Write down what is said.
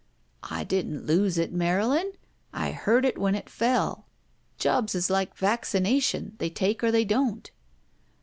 "I didn't lose it, Marylin. I heard it when it fell. Jobs is like vaccination, they take or they don't."